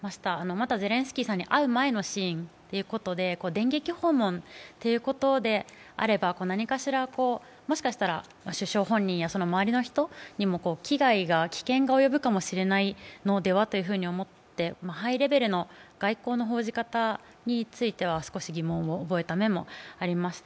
またゼレンスキーさんに会う前のシーンということで、電撃訪問っていうことであれば何かしらもしかしたら首相本人やその周りの人にも危害、危険が及ぶかもしれないのではと思ってハイレベルの外交の報じ方については少し疑問を覚えた面もありました。